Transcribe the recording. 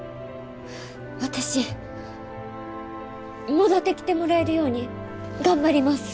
私戻ってきてもらえるように頑張ります。